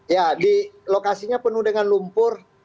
ya di lokasinya penuh dengan lumpur